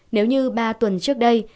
nếu như ba tuần trước đây